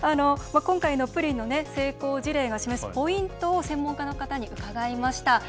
今回のプリンの成功事例が示すポイントを専門家の方に伺いました。